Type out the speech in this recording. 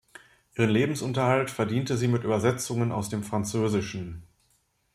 Ihren Lebensunterhalt verdiente sie mit Übersetzungen aus dem Französischen.